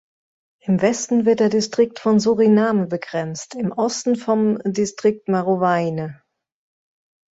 Im Westen wird der Distrikt vom Suriname begrenzt, im Osten vom Distrikt Marowijne.